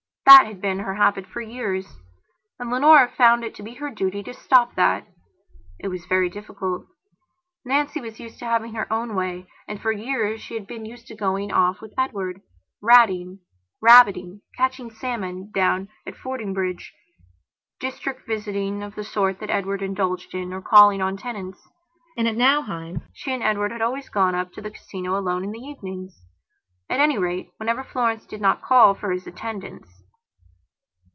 That had been her habit for years. And Leonora found it to be her duty to stop that. It was very difficult. Nancy was used to having her own way, and for years she had been used to going off with Edward, ratting, rabbiting, catching salmon down at Fordingbridge, district visiting of the sort that Edward indulged in, or calling on the tenants. And at Nauheim she and Edward had always gone up to the Casino alone in the eveningsat any rate, whenever Florence did not call for his attendance.